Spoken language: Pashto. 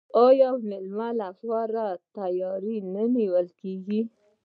آیا د میلمه لپاره تیاری نه نیول کیږي؟